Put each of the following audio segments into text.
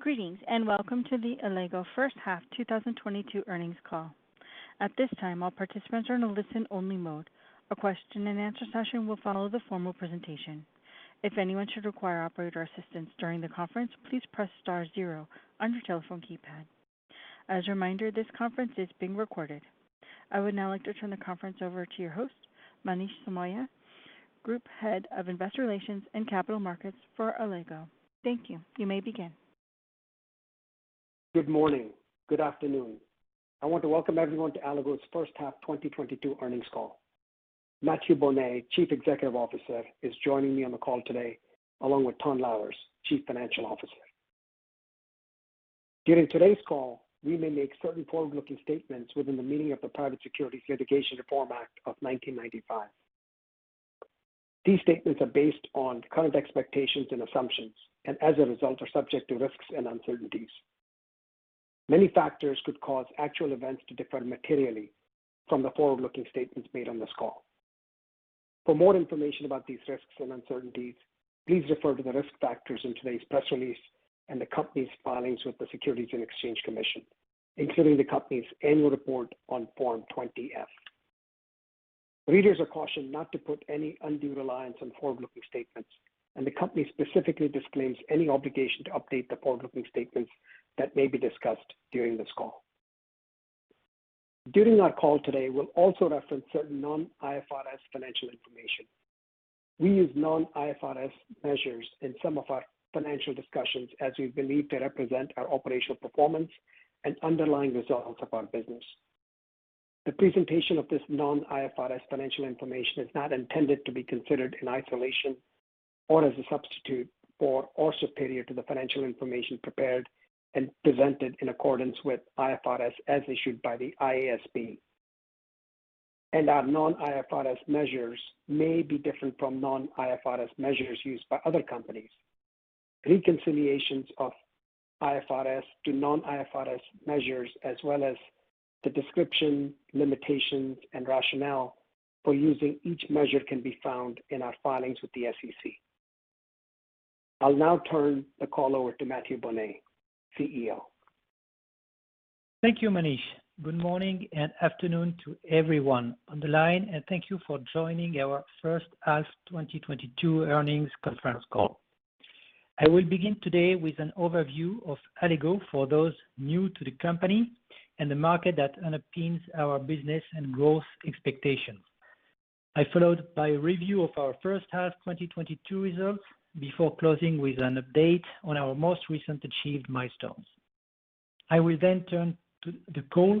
Greetings, and welcome to the Allego first half 2022 earnings call. At this time, all participants are in a listen-only mode. A question and answer session will follow the formal presentation. If anyone should require operator assistance during the conference, please press star zero on your telephone keypad. As a reminder, this conference is being recorded. I would now like to turn the conference over to your host, Manish Somaiya, Group Head of Investor Relations and Capital Markets for Allego. Thank you. You may begin. Good morning. Good afternoon. I want to welcome everyone to Allego's first half 2022 earnings call. Mathieu Bonnet, Chief Executive Officer, is joining me on the call today, along with Ton Louwers, Chief Financial Officer. During today's call, we may make certain forward-looking statements within the meaning of the Private Securities Litigation Reform Act of 1995. These statements are based on current expectations and assumptions, and as a result, are subject to risks and uncertainties. Many factors could cause actual events to differ materially from the forward-looking statements made on this call. For more information about these risks and uncertainties, please refer to the risk factors in today's press release and the company's filings with the Securities and Exchange Commission, including the company's annual report on Form 20-F. Readers are cautioned not to put any undue reliance on forward-looking statements, and the company specifically disclaims any obligation to update the forward-looking statements that may be discussed during this call. During our call today, we'll also reference certain non-IFRS financial information. We use non-IFRS measures in some of our financial discussions as we believe they represent our operational performance and underlying results of our business. The presentation of this non-IFRS financial information is not intended to be considered in isolation or as a substitute for or superior to the financial information prepared and presented in accordance with IFRS as issued by the IASB. Our non-IFRS measures may be different from non-IFRS measures used by other companies. Reconciliations of IFRS to non-IFRS measures as well as the description, limitations, and rationale for using each measure can be found in our filings with the SEC. I'll now turn the call over to Mathieu Bonnet, CEO. Thank you, Manish. Good morning and afternoon to everyone on the line, and thank you for joining our first half 2022 earnings conference call. I will begin today with an overview of Allego for those new to the company and the market that underpins our business and growth expectations. Followed by a review of our first half 2022 results before closing with an update on our most recent achieved milestones. I will then turn the call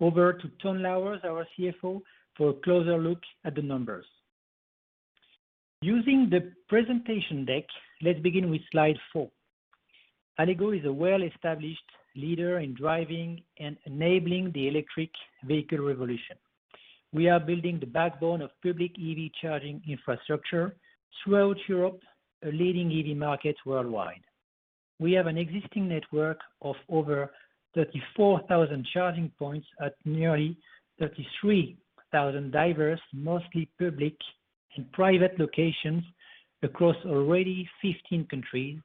over to Ton Louwers, our CFO, for a closer look at the numbers. Using the presentation deck, let's begin with slide four. Allego is a well-established leader in driving and enabling the electric vehicle revolution. We are building the backbone of public EV charging infrastructure throughout Europe, a leading EV market worldwide. We have an existing network of over 34,000 charging points at nearly 33,000 diverse, mostly public and private locations across already 15 countries,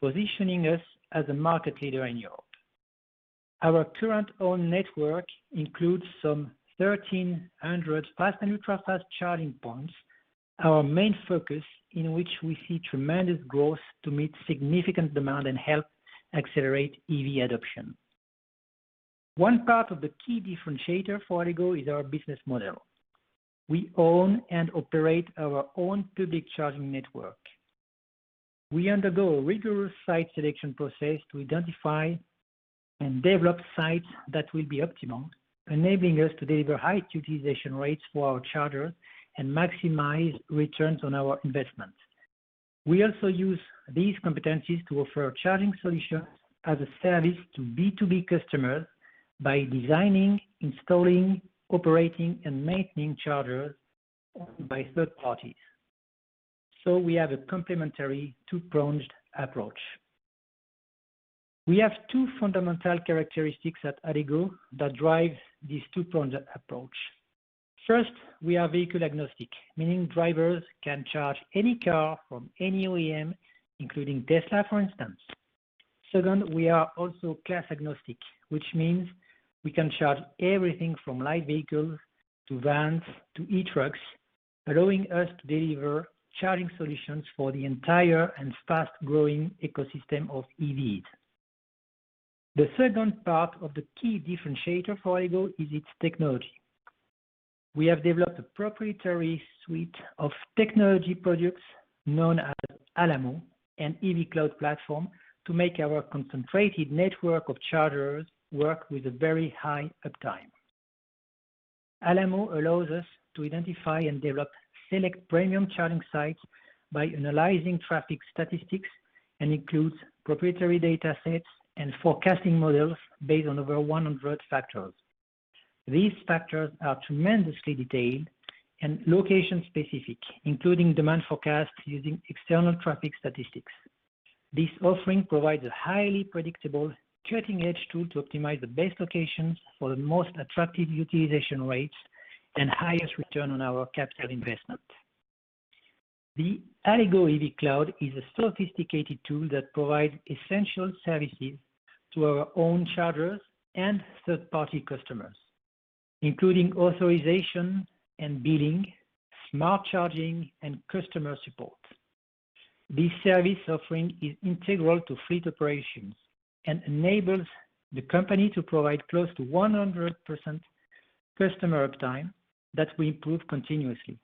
positioning us as a market leader in Europe. Our current owned network includes some 1,300 fast and ultra-fast charging points, our main focus in which we see tremendous growth to meet significant demand and help accelerate EV adoption. One part of the key differentiator for Allego is our business model. We own and operate our own public charging network. We undergo a rigorous site selection process to identify and develop sites that will be optimal, enabling us to deliver high utilization rates for our chargers and maximize returns on our investments. We also use these competencies to offer charging solutions as a service to B2B customers by designing, installing, operating, and maintaining chargers owned by third parties. We have a complementary two-pronged approach. We have two fundamental characteristics at Allego that drive this two-pronged approach. First, we are vehicle agnostic, meaning drivers can charge any car from any OEM, including Tesla, for instance. Second, we are also class agnostic, which means we can charge everything from light vehicles to vans to e-trucks, allowing us to deliver charging solutions for the entire and fast-growing ecosystem of EVs. The second part of the key differentiator for Allego is its technology. We have developed a proprietary suite of technology products known as Allamo, an EV cloud platform, to make our concentrated network of chargers work with a very high uptime. Allamo allows us to identify and develop select premium charging sites by analyzing traffic statistics and includes proprietary data sets and forecasting models based on over 100 factors. These factors are tremendously detailed and location-specific, including demand forecasts using external traffic statistics. This offering provides a highly predictable, cutting-edge tool to optimize the best locations for the most attractive utilization rates and highest return on our capital investment. The Allego EV Cloud is a sophisticated tool that provides essential services to our own chargers and third-party customers, including authorization and billing, smart charging, and customer support. This service offering is integral to fleet operations and enables the company to provide close to 100% customer uptime that we improve continuously.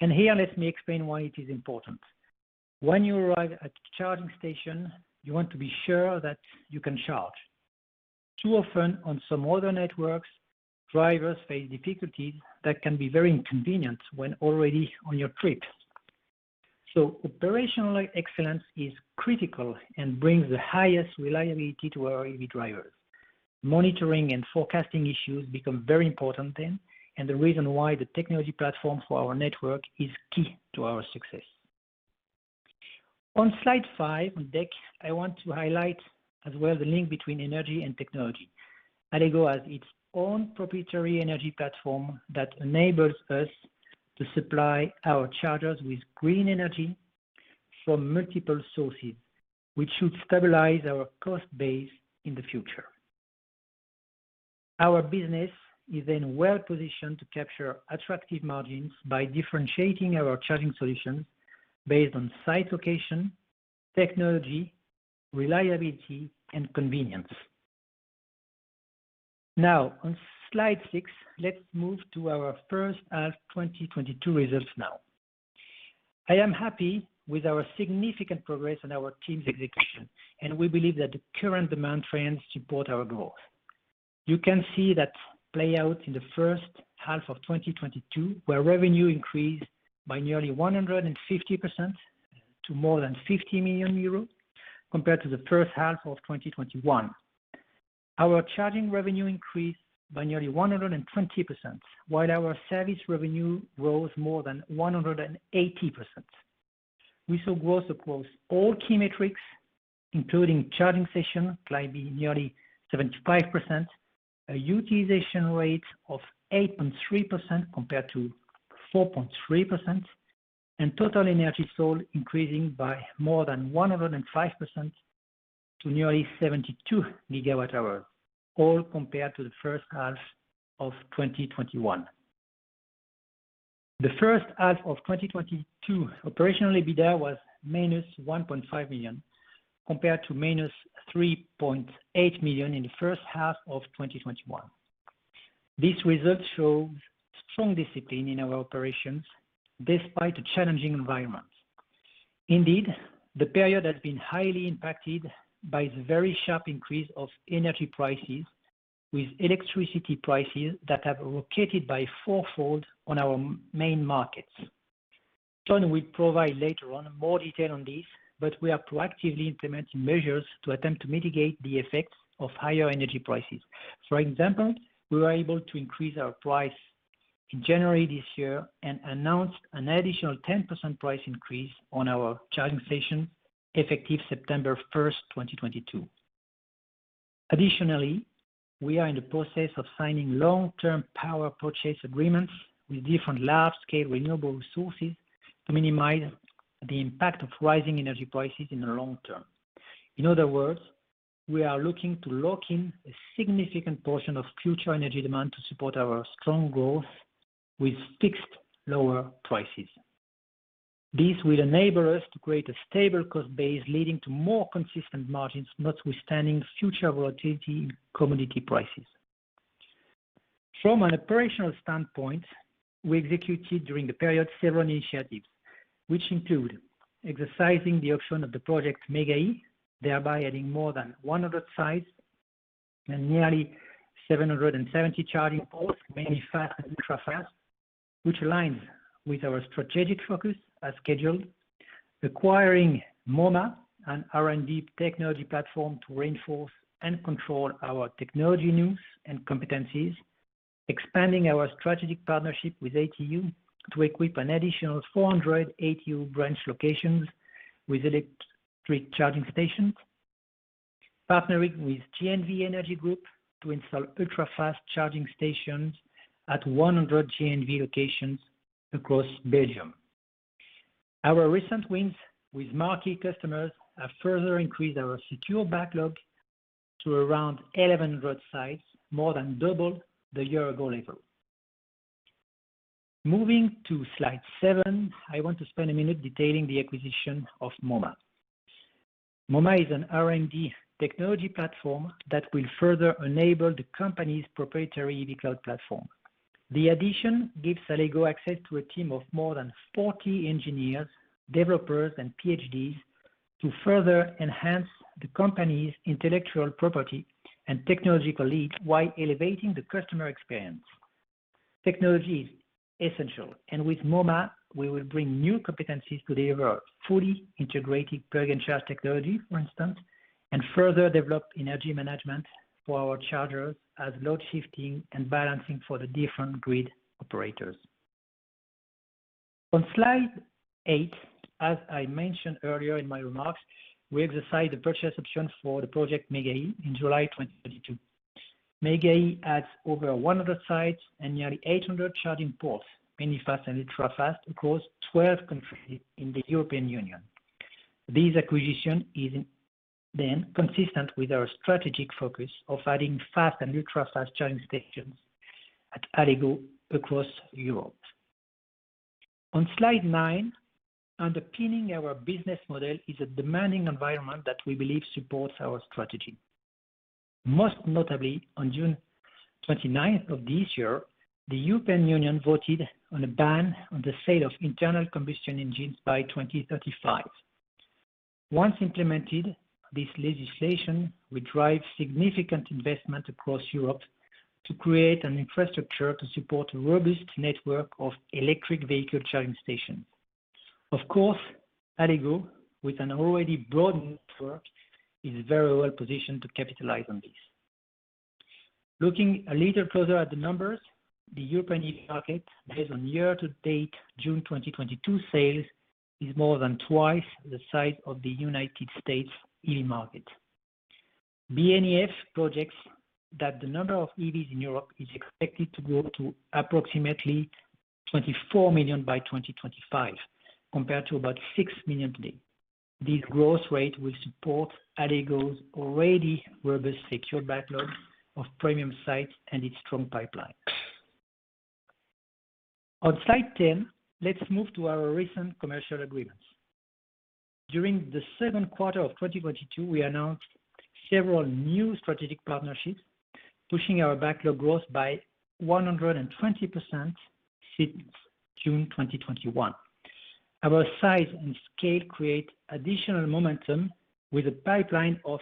Here, let me explain why it is important. When you arrive at the charging station, you want to be sure that you can charge. Too often on some other networks, drivers face difficulties that can be very inconvenient when already on your trip. Operational excellence is critical and brings the highest reliability to our EV drivers. Monitoring and forecasting issues become very important then, and the reason why the technology platform for our network is key to our success. On slide five deck, I want to highlight as well the link between energy and technology. Allego has its own proprietary energy platform that enables us to supply our chargers with green energy from multiple sources, which should stabilize our cost base in the future. Our business is then well-positioned to capture attractive margins by differentiating our charging solutions based on site location, technology, reliability, and convenience. Now, on slide six, let's move to our first half 2022 results now. I am happy with our significant progress and our team's execution, and we believe that the current demand trends support our growth. You can see that play out in the first half of 2022, where revenue increased by nearly 150% to more than 50 million euros compared to the first half of 2021. Our charging revenue increased by nearly 120%, while our service revenue rose more than 180%. We saw growth across all key metrics, including charging session climbing nearly 75%, a utilization rate of 8.3% compared to 4.3%, and total energy sold increasing by more than 105% to nearly 72 GWh, all compared to the first half of 2021. The first half of 2022 operational EBITDA was -1.5 million, compared to -3.8 million in the first half of 2021. This result shows strong discipline in our operations despite a challenging environment. Indeed, the period has been highly impacted by the very sharp increase of energy prices with electricity prices that have rocketed by four-fold on our main markets. Ton will provide later on more detail on this, but we are proactively implementing measures to attempt to mitigate the effects of higher energy prices. For example, we were able to increase our price in January this year and announced an additional 10% price increase on our charging station effective September 1st, 2022. Additionally, we are in the process of signing long-term power purchase agreements with different large-scale renewable resources to minimize the impact of rising energy prices in the long-term. In other words, we are looking to lock in a significant portion of future energy demand to support our strong growth with fixed lower prices. This will enable us to create a stable cost base leading to more consistent margins, notwithstanding future volatility in commodity prices. From an operational standpoint, we executed during the period several initiatives, which include exercising the option of the project Mega-E, thereby adding more than 100 sites and nearly 770 charging ports, mainly fast and ultra-fast, which aligns with our strategic focus as scheduled. Acquiring MOMA and R&D technology platform to reinforce and control our in-house technology and competencies. Expanding our strategic partnership with ATU to equip an additional 400 ATU branch locations with electric charging stations. Partnering with G&V Energy Group to install ultra-fast charging stations at 100 G&V locations across Belgium. Our recent wins with marquee customers have further increased our secured backlog to around 1,100 sites, more than double the year ago level. Moving to slide seven, I want to spend a minute detailing the acquisition of MOMA. MOMA is an R&D technology platform that will further enable the company's proprietary EV cloud platform. The addition gives Allego access to a team of more than 40 engineers, developers, and PhDs to further enhance the company's intellectual property and technological lead while elevating the customer experience. Technology is essential, and with MOMA, we will bring new competencies to deliver a fully integrated Plug & Charge technology, for instance, and further develop energy management for our chargers as load shifting and balancing for the different grid operators. On slide eight, as I mentioned earlier in my remarks, we exercised the purchase option for the project Mega-E in July 2022. Mega-E adds over 100 sites and nearly 800 charging ports, many fast and ultra fast, across 12 countries in the European Union. This acquisition is then consistent with our strategic focus of adding fast and ultra fast charging stations at Allego across Europe. On slide nine, underpinning our business model is a demanding environment that we believe supports our strategy. Most notably, on June 29th of this year, the European Union voted on a ban on the sale of internal combustion engines by 2035. Once implemented, this legislation will drive significant investment across Europe to create an infrastructure to support a robust network of electric vehicle charging stations. Of course, Allego, with an already broad network, is very well positioned to capitalize on this. Looking a little closer at the numbers, the European EV market based on year-to-date June 2022 sales is more than twice the size of the United States EV market. BNEF projects that the number of EVs in Europe is expected to grow to approximately 24 million by 2025, compared to about 6 million today. This growth rate will support Allego's already robust secured backlog of premium sites and its strong pipeline. On slide 10, let's move to our recent commercial agreements. During the second quarter of 2022, we announced several new strategic partnerships, pushing our backlog growth by 120% since June 2021. Our size and scale create additional momentum with a pipeline of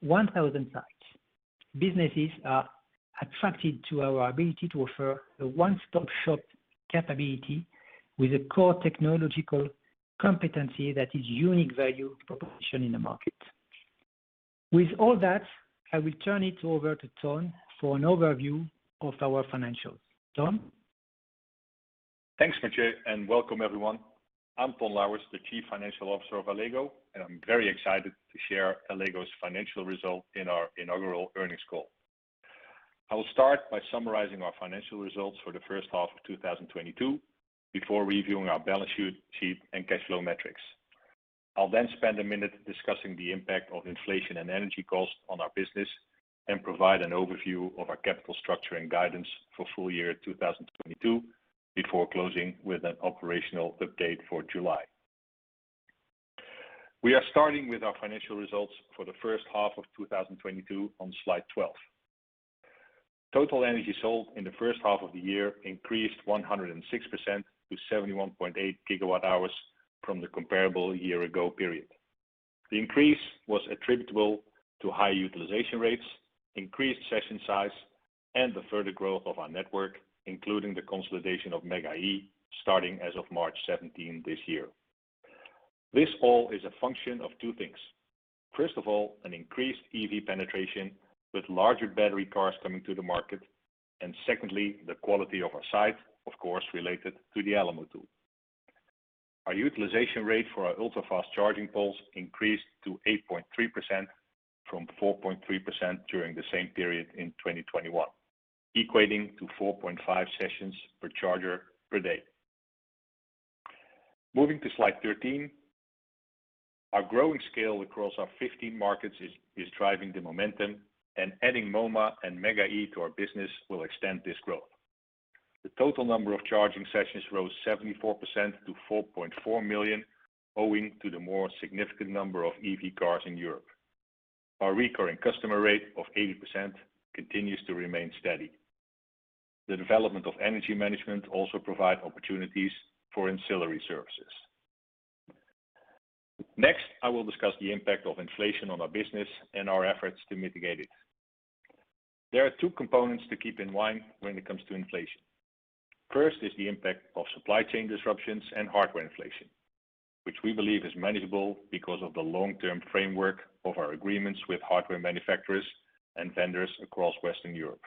1,000 sites. Businesses are attracted to our ability to offer a one-stop shop capability with a core technological competency that is unique value proposition in the market. With all that, I will turn it over to Ton for an overview of our financials. Ton? Thanks, Mathieu, and welcome everyone. I'm Ton Louwers, the Chief Financial Officer of Allego, and I'm very excited to share Allego's financial results in our inaugural earnings call. I will start by summarizing our financial results for the first half of 2022, before reviewing our balance sheet and cash flow metrics. I'll then spend a minute discussing the impact of inflation and energy costs on our business and provide an overview of our capital structure and guidance for full year 2022, before closing with an operational update for July. We are starting with our financial results for the first half of 2022 on slide 12. Total energy sold in the first half of the year increased 106% to 71.8 GWh from the comparable year ago period. The increase was attributable to high utilization rates, increased session size, and the further growth of our network, including the consolidation of Mega-E starting as of March 17th this year. This all is a function of two things. First of all, an increased EV penetration with larger battery cars coming to the market. Secondly, the quality of our site, of course, related to the Allamo tool. Our utilization rate for our ultra-fast charging poles increased to 8.3% from 4.3% during the same period in 2021, equating to 4.5 sessions per charger per day. Moving to slide 13. Our growing scale across our 15 markets is driving the momentum and adding MOMA and Mega-E to our business will extend this growth. The total number of charging sessions rose 74% to 4.4 million, owing to the more significant number of EV cars in Europe. Our recurring customer rate of 80% continues to remain steady. The development of energy management also provide opportunities for ancillary services. Next, I will discuss the impact of inflation on our business and our efforts to mitigate it. There are two components to keep in mind when it comes to inflation. First is the impact of supply chain disruptions and hardware inflation, which we believe is manageable because of the long-term framework of our agreements with hardware manufacturers and vendors across Western Europe.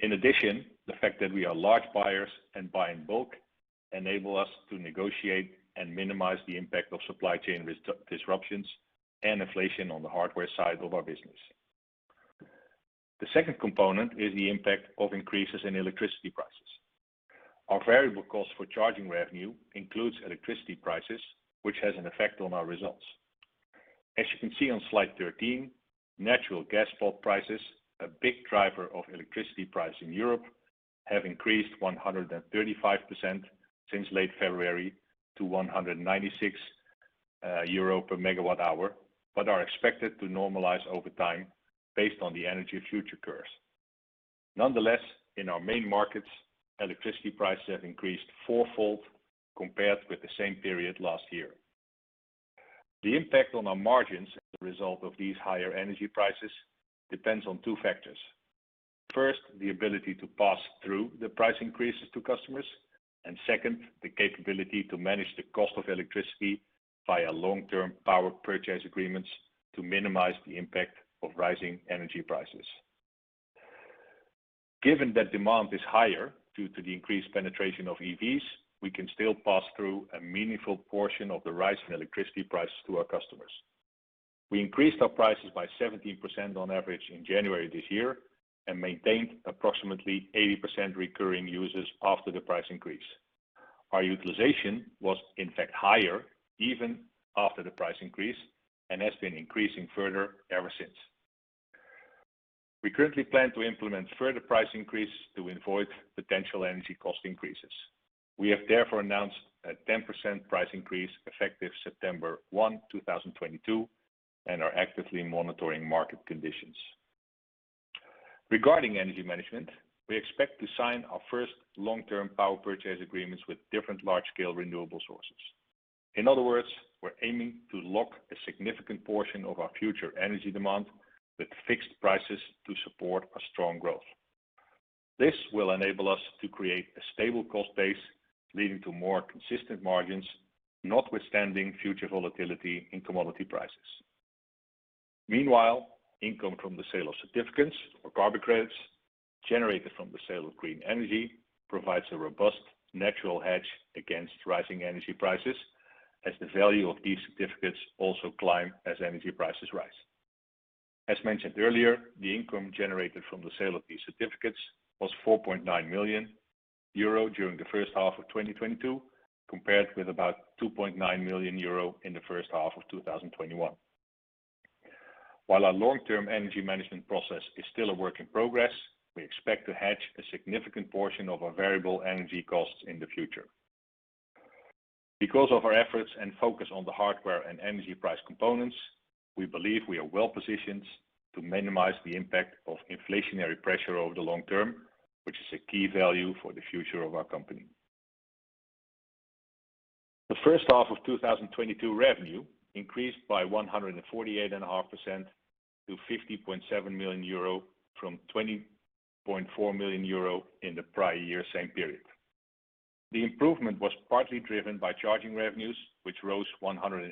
In addition, the fact that we are large buyers and buy in bulk enable us to negotiate and minimize the impact of supply chain disruptions and inflation on the hardware side of our business. The second component is the impact of increases in electricity prices. Our variable cost for charging revenue includes electricity prices, which has an effect on our results. As you can see on slide 13, natural gas spot prices, a big driver of electricity price in Europe, have increased 135% since late February to 196 euro per MWh, but are expected to normalize over time based on the energy futures curves. Nonetheless, in our main markets, electricity prices have increased four-fold compared with the same period last year. The impact on our margins as a result of these higher energy prices depends on two factors. First, the ability to pass through the price increases to customers, and second, the capability to manage the cost of electricity via long-term power purchase agreements to minimize the impact of rising energy prices. Given that demand is higher due to the increased penetration of EVs, we can still pass through a meaningful portion of the rise in electricity prices to our customers. We increased our prices by 17% on average in January this year and maintained approximately 80% recurring users after the price increase. Our utilization was in fact higher even after the price increase, and has been increasing further ever since. We currently plan to implement further price increase to avoid potential energy cost increases. We have therefore announced a 10% price increase effective September 1, 2022 and are actively monitoring market conditions. Regarding energy management, we expect to sign our first long-term power purchase agreements with different large-scale renewable sources. In other words, we're aiming to lock a significant portion of our future energy demand with fixed prices to support a strong growth. This will enable us to create a stable cost base, leading to more consistent margins, notwithstanding future volatility in commodity prices. Meanwhile, income from the sale of certificates or carbon credits generated from the sale of green energy provides a robust natural hedge against rising energy prices, as the value of these certificates also climb as energy prices rise. As mentioned earlier, the income generated from the sale of these certificates was 4.9 million euro during the first half of 2022, compared with about 2.9 million euro in the first half of 2021. While our long-term energy management process is still a work in progress, we expect to hedge a significant portion of our variable energy costs in the future. Because of our efforts and focus on the hardware and energy price components, we believe we are well-positioned to minimize the impact of inflationary pressure over the long-term, which is a key value for the future of our company. The first half of 2022 revenue increased by 148.5% to 50.7 million euro from 20.4 million euro in the prior year same period. The improvement was partly driven by charging revenues, which rose 118%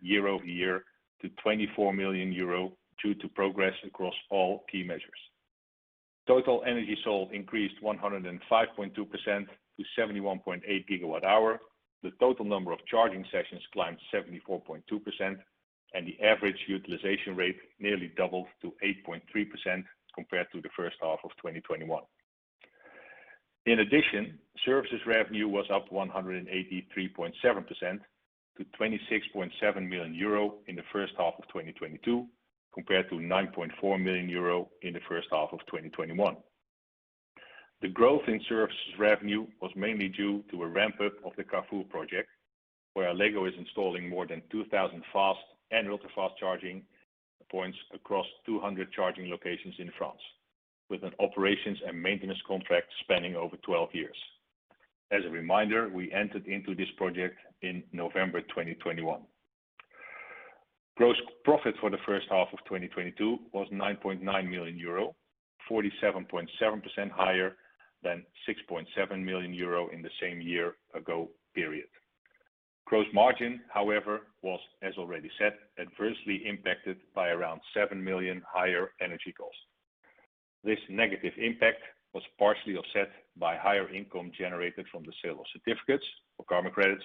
year-over-year to 24 million euro due to progress across all key measures. Total energy sold increased 105.2% to 71.8 GWh. The total number of charging sessions climbed 74.2%, and the average utilization rate nearly doubled to 8.3% compared to the first half of 2021. In addition, services revenue was up 183.7% to 26.7 million euro in the first half of 2022, compared to 9.4 million euro in the first half of 2021. The growth in services revenue was mainly due to a ramp-up of the Carrefour project, where Allego is installing more than 2,000 fast and ultra fast charging points across 200 charging locations in France with an operations and maintenance contract spanning over 12 years. As a reminder, we entered into this project in November 2021. Gross profit for the first half of 2022 was 9.9 million euro, 47.7% higher than 6.7 million euro in the same year-ago period. Gross margin, however, was, as already said, adversely impacted by around 7 million higher energy costs. This negative impact was partially offset by higher income generated from the sale of certificates or carbon credits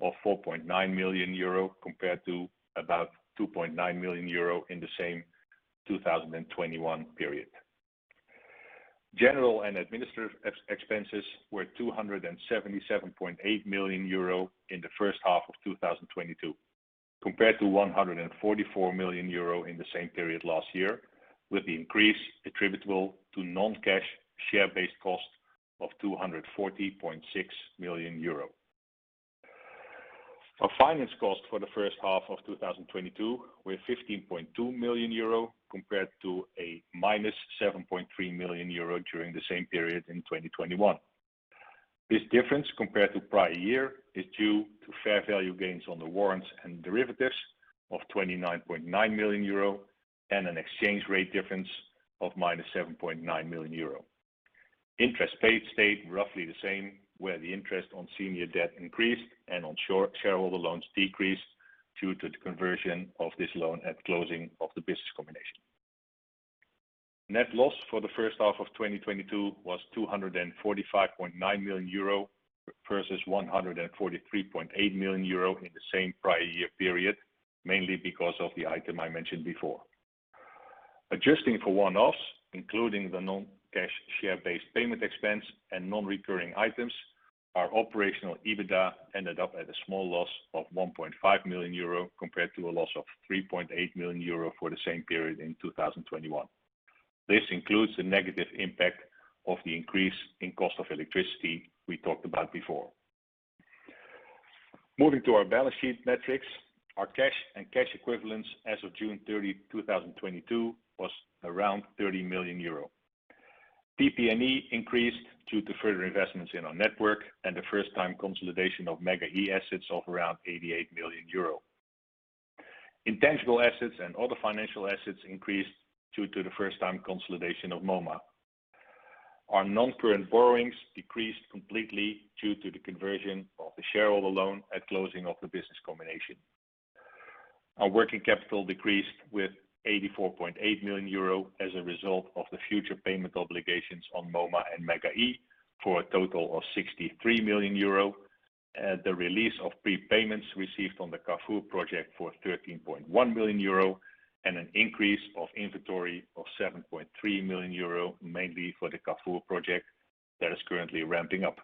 of 4.9 million euro, compared to about 2.9 million euro in the same 2021 period. General and administrative expenses were 277.8 million euro in the first half of 2022, compared to 144 million euro in the same period last year, with the increase attributable to non-cash share-based cost of 240.6 million euro. Our finance cost for the first half of 2022 were 15.2 million euro compared to -7.3 million euro during the same period in 2021. This difference compared to prior year is due to fair value gains on the warrants and derivatives of 29.9 million euro and an exchange rate difference of -7.9 million euro. Interest paid stayed roughly the same, while the interest on senior debt increased and on shareholder loans decreased due to the conversion of this loan at closing of the business combination. Net loss for the first half of 2022 was 245.9 million euro versus 143.8 million euro in the same prior year period, mainly because of the item I mentioned before. Adjusting for one-offs, including the non-cash share-based payment expense and non-recurring items, our operational EBITDA ended up at a small loss of 1.5 million euro compared to a loss of 3.8 million euro for the same period in 2021. This includes the negative impact of the increase in cost of electricity we talked about before. Moving to our balance sheet metrics. Our cash and cash equivalents as of June 30, 2022 was around 30 million euro. PP&E increased due to further investments in our network and the first time consolidation of Mega-E assets of around 88 million euro. Intangible assets and other financial assets increased due to the first time consolidation of MOMA. Our non-current borrowings decreased completely due to the conversion of the shareholder loan at closing of the business combination. Our working capital decreased with 84.8 million euro as a result of the future payment obligations on MOMA and Mega-E for a total of 63 million euro. The release of prepayments received on the Carrefour project for 13.1 million euro and an increase of inventory of 7.3 million euro, mainly for the Carrefour project that is currently ramping up.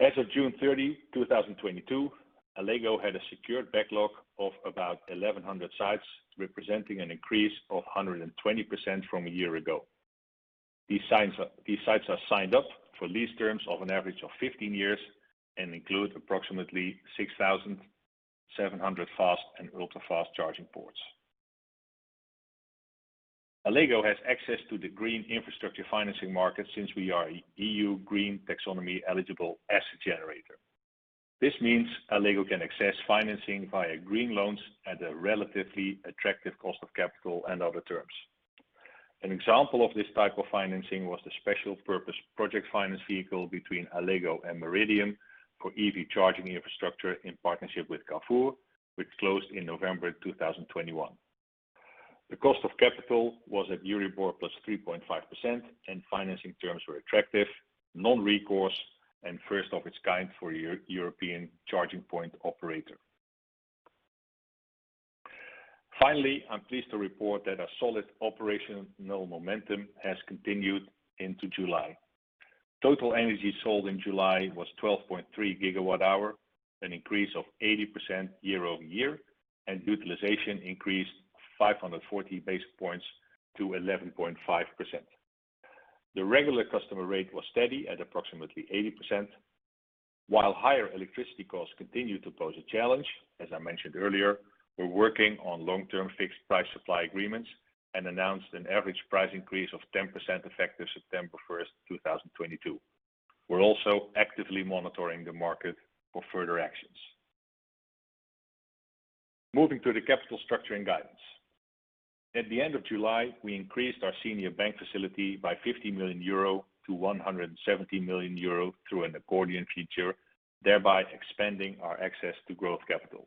As of June 30, 2022, Allego had a secured backlog of about 1,100 sites, representing an increase of 120% from a year ago. These sites are signed up for lease terms of an average of 15 years and include approximately 6,700 fast and ultra-fast charging ports. Allego has access to the green infrastructure financing market since we are EU Green Taxonomy-eligible asset generator. This means Allego can access financing via green loans at a relatively attractive cost of capital and other terms. An example of this type of financing was the special purpose project finance vehicle between Allego and Meridiam for EV charging infrastructure in partnership with Carrefour, which closed in November 2021. The cost of capital was at Euribor +3.5%, and financing terms were attractive, non-recourse and first of its kind for European charging point operator. Finally, I'm pleased to report that our solid operational momentum has continued into July. Total energy sold in July was 12.3 GWh, an increase of 80% year-over-year, and utilization increased 540 basis points to 11.5%. The regular customer rate was steady at approximately 80%. While higher electricity costs continue to pose a challenge, as I mentioned earlier, we're working on long-term fixed price supply agreements and announced an average price increase of 10% effective September 1st, 2022. We're also actively monitoring the market for further actions. Moving to the capital structure and guidance. At the end of July, we increased our senior bank facility by 50 million-170 million euro through an accordion feature, thereby expanding our access to growth capital.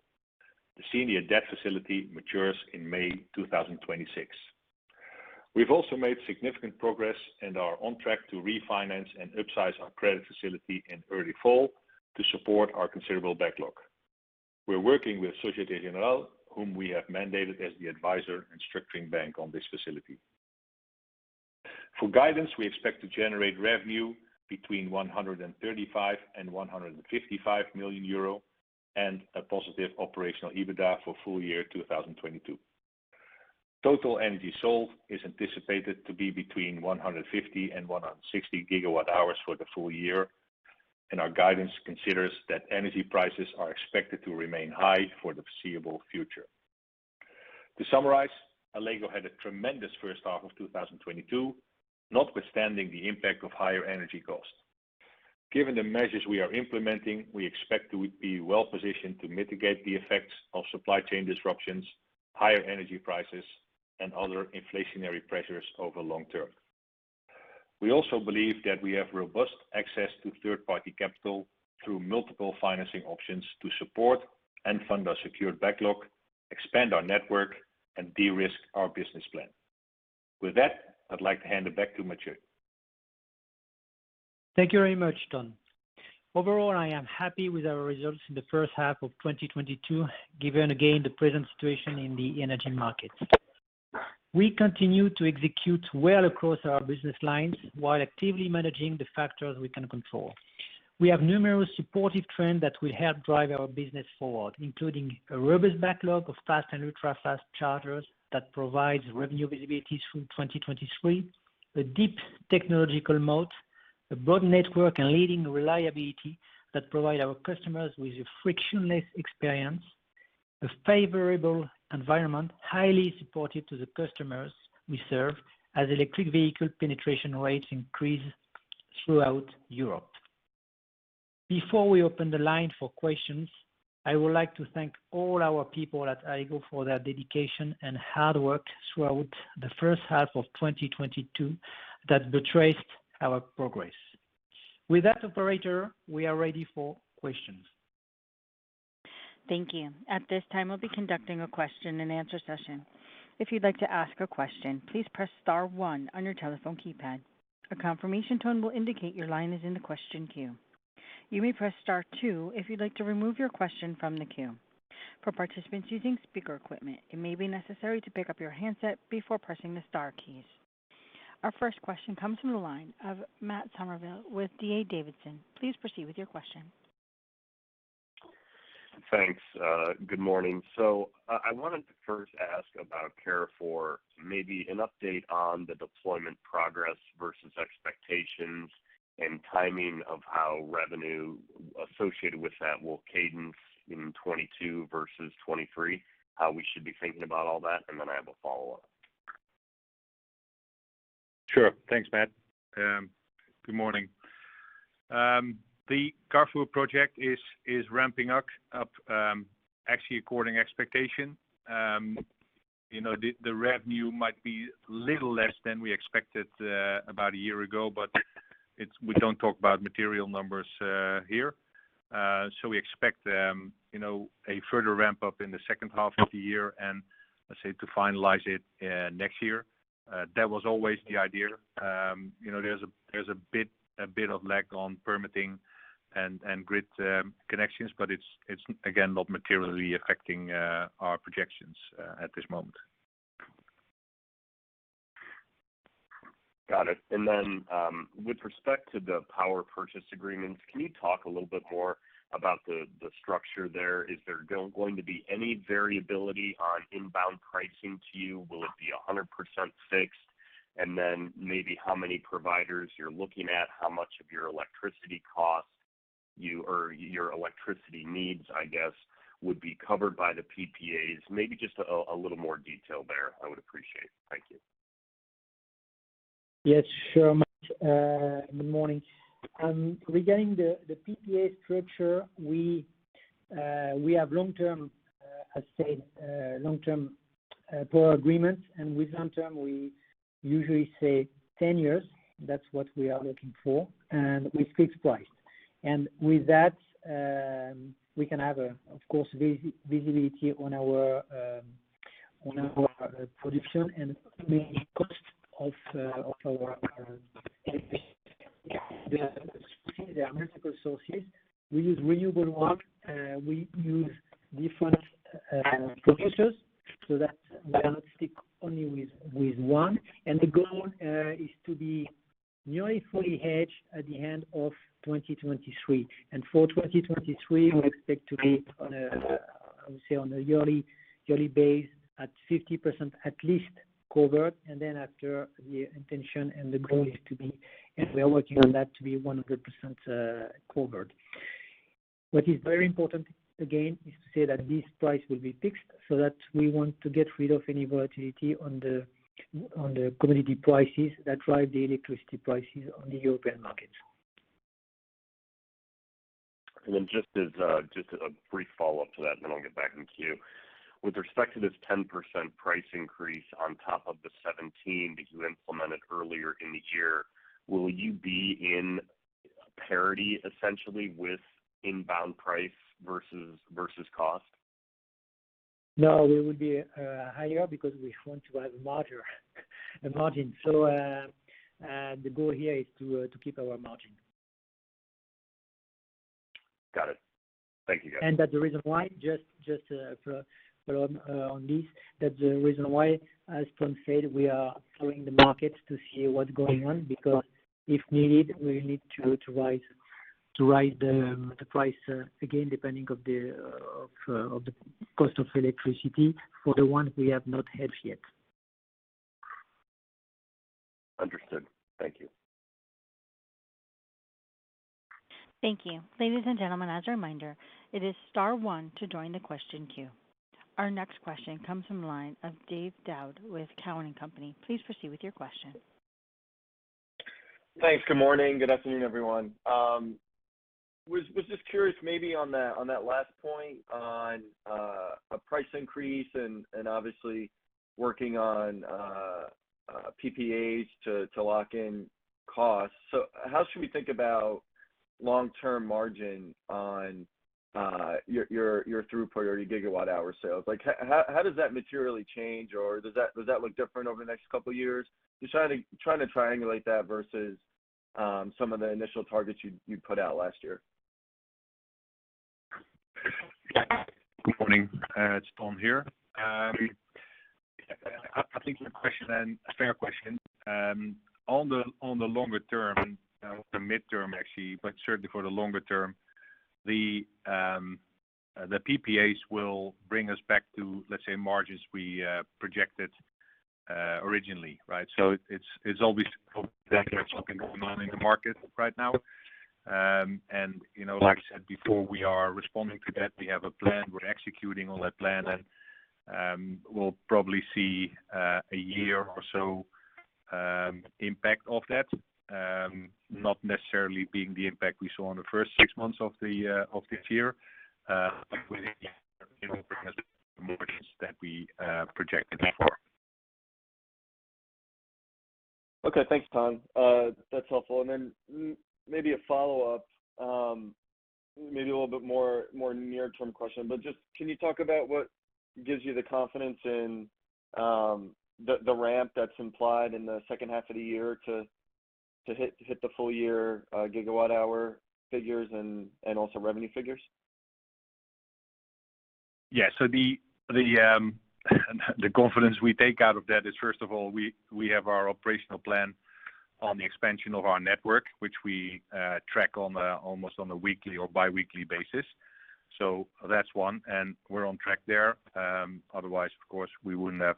The senior debt facility matures in May 2026. We've also made significant progress and are on track to refinance and upsize our credit facility in early fall to support our considerable backlog. We're working with Société Générale, whom we have mandated as the advisor and structuring bank on this facility. For guidance, we expect to generate revenue between 135 million and 155 million euro and a positive operational EBITDA for full year 2022. Total energy sold is anticipated to be between 150 GWh and 160 GWh for the full year, and our guidance considers that energy prices are expected to remain high for the foreseeable future. To summarize, Allego had a tremendous first half of 2022, notwithstanding the impact of higher energy costs. Given the measures we are implementing, we expect to be well positioned to mitigate the effects of supply chain disruptions, higher energy prices, and other inflationary pressures over long-term. We also believe that we have robust access to third-party capital through multiple financing options to support and fund our secured backlog, expand our network and de-risk our business plan. With that, I'd like to hand it back to Mathieu. Thank you very much, Ton. Overall, I am happy with our results in the first half of 2022, given again the present situation in the energy markets. We continue to execute well across our business lines while actively managing the factors we can control. We have numerous supportive trends that will help drive our business forward, including a robust backlog of fast and ultra-fast chargers that provides revenue visibilities through 2023, a deep technological moat, a broad network, and leading reliability that provide our customers with a frictionless experience, a favorable environment, highly supportive to the customers we serve as electric vehicle penetration rates increase throughout Europe. Before we open the line for questions, I would like to thank all our people at Allego for their dedication and hard work throughout the first half of 2022 that betrays our progress. With that, operator, we are ready for questions. Thank you. At this time, we'll be conducting a question and answer session. If you'd like to ask a question, please press star one on your telephone keypad. A confirmation tone will indicate your line is in the question queue. You may press star two if you'd like to remove your question from the queue. For participants using speaker equipment, it may be necessary to pick up your handset before pressing the star keys. Our first question comes from the line of Matt Summerville with D.A. Davidson. Please proceed with your question. Thanks. Good morning. I wanted to first ask about Carrefour, maybe an update on the deployment progress versus expectations and timing of how revenue associated with that will cadence in 2022 versus 2023. How we should be thinking about all that? Then I have a follow-up. Sure. Thanks, Matt. Good morning. The Carrefour project is ramping up actually according to expectation. You know, the revenue might be a little less than we expected about a year ago, but it's. We don't talk about material numbers here. We expect you know, a further ramp-up in the second half of the year and, let's say, to finalize it next year. That was always the idea. You know, there's a bit of lag on permitting and grid connections, but it's again not materially affecting our projections at this moment. Got it. With respect to the power purchase agreements, can you talk a little bit more about the structure there? Is there going to be any variability on inbound pricing to you? Will it be 100% fixed? Maybe how many providers you're looking at, how much of your electricity costs you or your electricity needs, I guess, would be covered by the PPAs. Just a little more detail there, I would appreciate. Thank you. Yes, sure, Matt. Good morning. Regarding the PPA structure, we have long-term power agreements, and with long-term, we usually say 10 years. That's what we are looking for, and with fixed price. With that, we can have, of course, visibility on our production and the cost of our electricity. There are multiple sources. We use renewable one. We use different producers, so that we don't stick only with one. The goal is to be nearly fully hedged at the end of 2023. For 2023, we expect to be, I would say, on a yearly base at 50%, at least covered. After the intention and the goal is to be, and we are working on that to be 100% covered. What is very important, again, is to say that this price will be fixed so that we want to get rid of any volatility on the commodity prices that drive the electricity prices on the European markets. Just a brief follow-up to that, and then I'll get back in queue. With respect to this 10% price increase on top of the 17% that you implemented earlier in the year, will you be in parity essentially with inbound price versus cost? No, we would be higher because we want to have a larger margin. The goal here is to keep our margin. Got it. Thank you, guys. That the reason why, just for this, as Ton Louwers said, we are following the market to see what's going on, because if needed, we need to raise the price again, depending on the cost of electricity for the ones we have not hedged yet. Understood. Thank you. Thank you. Ladies and gentlemen, as a reminder, it is star one to join the question queue. Our next question comes from line of Gabe Daoud with Cowen and Company. Please proceed with your question. Thanks. Good morning. Good afternoon, everyone. Was just curious maybe on that last point on a price increase and obviously working on PPAs to lock in costs. How should we think about long-term margin on your throughput or your gigawatt hour sales? Like, how does that materially change, or does that look different over the next couple of years? Just trying to triangulate that versus some of the initial targets you put out last year. Good morning. It's Ton here. I think it's a question and a fair question. On the longer-term, the midterm actually, but certainly for the longer-term, the PPAs will bring us back to, let's say, margins we projected originally, right? It's always in the market right now. You know, like I said before, we are responding to that. We have a plan. We're executing on that plan. We'll probably see a year or so impact of that, not necessarily being the impact we saw in the first six months of this year. Within that we projected for. Okay. Thanks, Ton. That's helpful. Maybe a follow-up, maybe a little bit more near-term question. Just can you talk about what gives you the confidence in the ramp that's implied in the second half of the year to hit the full year gigawatt hour figures and also revenue figures? Yeah. The confidence we take out of that is, first of all, we have our operational plan on the expansion of our network, which we track almost on a weekly or biweekly basis. That's one, and we're on track there. Otherwise, of course, we wouldn't have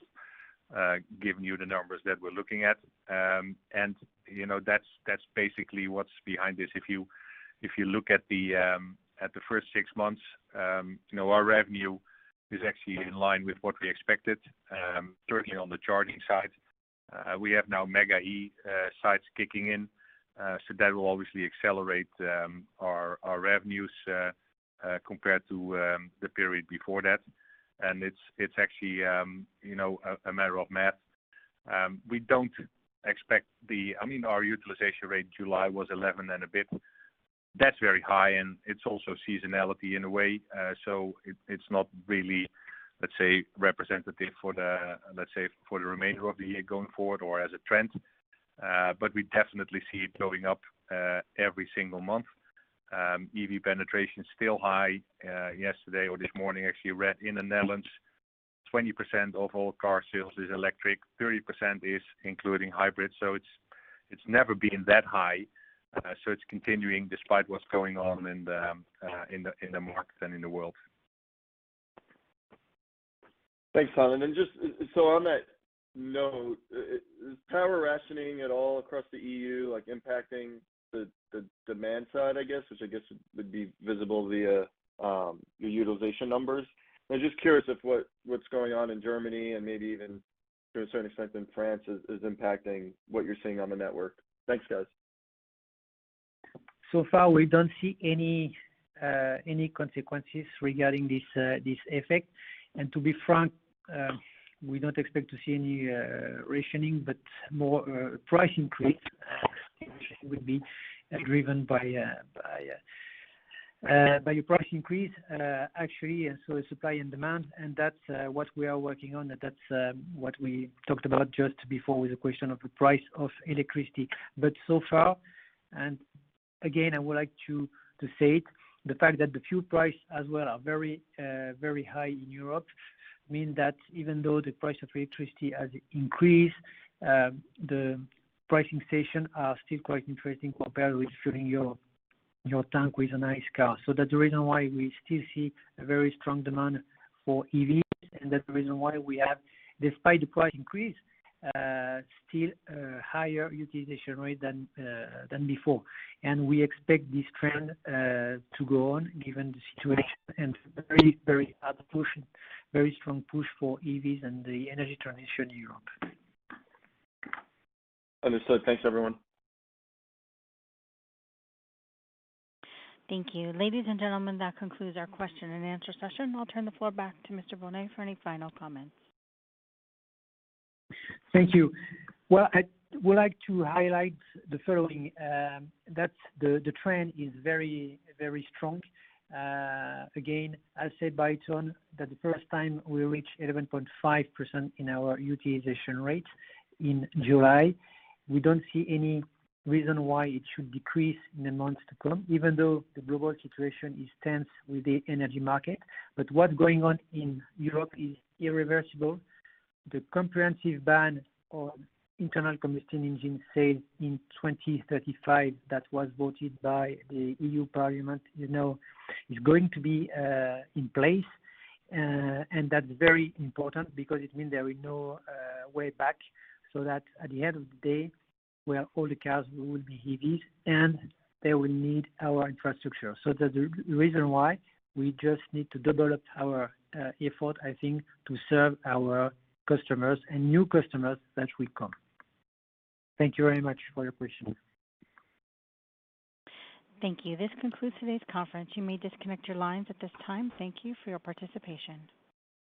given you the numbers that we're looking at. You know, that's basically what's behind this. If you look at the first six months, you know, our revenue is actually in line with what we expected, certainly on the charging side. We have now Mega-E sites kicking in, so that will obviously accelerate our revenues compared to the period before that. It's actually, you know, a matter of math. Our utilization rate in July was 11% and a bit. That's very high, and it's also seasonality in a way. So it's not really, let's say, representative for the, let's say, for the remainder of the year going forward or as a trend. But we definitely see it going up every single month. EV penetration is still high. Yesterday or this morning, actually, I read in the Netherlands, 20% of all car sales is electric, 30% is including hybrid. So it's never been that high. It's continuing despite what's going on in the markets and in the world. Thanks, Ton. Just so on that note, is power rationing at all across the EU, like impacting the demand side, I guess, which I guess would be visible via your utilization numbers? I'm just curious if what's going on in Germany and maybe even to a certain extent in France is impacting what you're seeing on the network? Thanks, guys. So far, we don't see any consequences regarding this effect. To be frank, we don't expect to see any rationing, but more price increase, which would be driven by your price increase, actually, so supply and demand. That's what we are working on. That's what we talked about just before with the question of the price of electricity. So far, again, I would like to state the fact that the fuel prices as well are very high in Europe, means that even though the price of electricity has increased, the charging stations are still quite interesting compared with filling your tank with an ICE car. That's the reason why we still see a very strong demand for EVs, and that's the reason why we have, despite the price increase, still higher utilization rate than before. We expect this trend to go on given the situation and very strong push for EVs and the energy transition in Europe. Understood. Thanks, everyone. Thank you. Ladies and gentlemen, that concludes our question and answer session. I'll turn the floor back to Mr. Bonnet for any final comments. Thank you. Well, I would like to highlight the following. That the trend is very, very strong. Again, as said by Ton, that the first time we reached 11.5% in our utilization rate in July. We don't see any reason why it should decrease in the months to come, even though the global situation is tense with the energy market. What's going on in Europe is irreversible. The comprehensive ban on internal combustion engine sales in 2035 that was voted by the European Parliament, you know, is going to be in place. And that's very important because it means there is no way back. That at the end of the day, when all the cars will be EVs, and they will need our infrastructure. That's the reason why we just need to double up our effort, I think, to serve our customers and new customers that will come. Thank you very much for your patience. Thank you. This concludes today's conference. You may disconnect your lines at this time. Thank you for your participation.